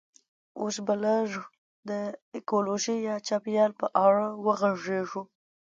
اوس به لږ د ایکولوژي یا چاپیریال په اړه وغږیږو